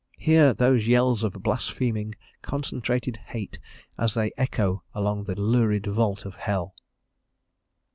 hear those yells of blaspheming, concentrated hate as they echo along the lurid vault of hell."